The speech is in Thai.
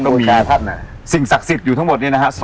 ก็มีสิ่งศักดิ์สิทธิ์อยู่ทั้งหมดเนี่ยนะฮะ